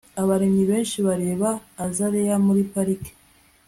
abarimyi benshi bareba azaleya muri parike